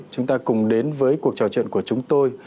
chúng ta cùng đến với cuộc trò chuyện của chúng tôi